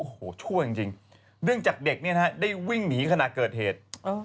โอ้โหชั่วจริงเนื่องจากเด็กเนี่ยนะฮะได้วิ่งหนีขณะเกิดเหตุ